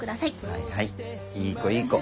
はいはいいい子いい子。